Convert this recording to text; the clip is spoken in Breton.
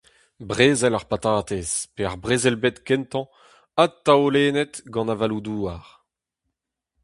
Brezel ar patatez pe ar Brezel-bed kentañ adtaolennet gant avaloù-douar.